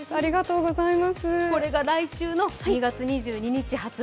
これが来週の２月２２日発売。